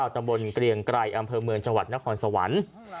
ตำบลเกลียงไกรอำเภอเมืองจังหวัดนครสวรรค์